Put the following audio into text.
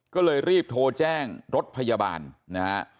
ก็เลยรีบโทรแจ้งรถพยาบาลนะฮะ